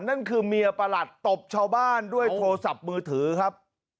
นั่นคือเมียประหลัดตบชาวบ้านด้วยโทรศัพท์มือถือครับ